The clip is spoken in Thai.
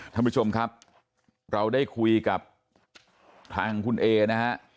ท่านผู้ชมครับเราได้คุยกับทางคุณเอนะฮะ